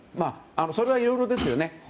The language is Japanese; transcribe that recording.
それはいろいろですね。